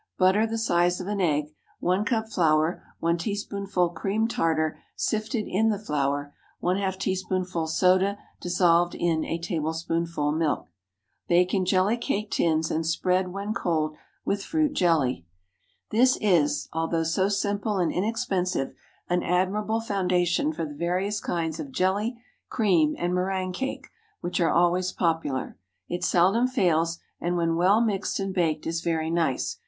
Butter, the size of an egg. 1 cup flour. 1 teaspoonful cream tartar, sifted in the flour. ½ teaspoonful soda, dissolved in a tablespoonful milk. Bake in jelly cake tins, and spread, when cold, with fruit jelly. This is, although so simple and inexpensive, an admirable foundation for the various kinds of jelly, cream, and méringue cake, which are always popular. It seldom fails, and when well mixed and baked, is very nice.